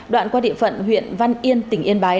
đoạn qua địa phận huyện văn yên tỉnh yên bái